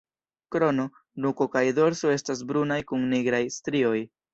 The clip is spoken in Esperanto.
Krono, nuko kaj dorso estas brunaj kun nigraj strioj.